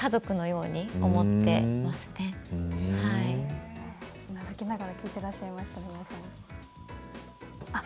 うなずきながら聞いていらっしゃいましたね。